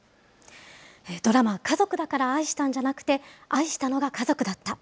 ドラマ、家族だから愛したんじゃなくて、愛したのが家族だった。